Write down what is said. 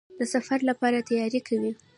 د سفر لپاره تیاری کوئ؟